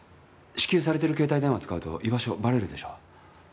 支給されてる携帯電話使うと居場所バレるでしょう。